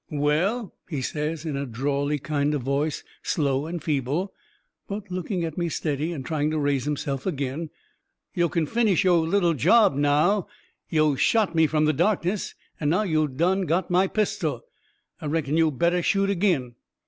"Well," he says, in a drawly kind of voice, slow and feeble, but looking at me steady and trying to raise himself agin, "yo' can finish yo' little job now yo' shot me from the darkness, and now yo' done got my pistol. I reckon yo' better shoot AGIN."